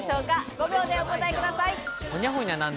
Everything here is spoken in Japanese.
５秒でお答えください。